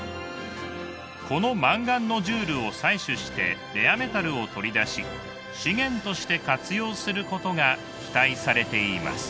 このマンガンノジュールを採取してレアメタルを取り出し資源として活用することが期待されています。